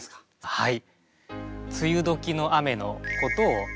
はい。